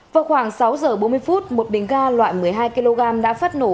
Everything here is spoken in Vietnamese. vào khoảng sáu giờ bốn mươi phút một bình ga loại một mươi hai kg đã phát nổ